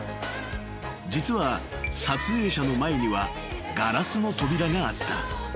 ［実は撮影者の前にはガラスの扉があった］